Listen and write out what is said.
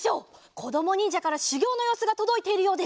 こどもにんじゃからしゅぎょうのようすがとどいているようです。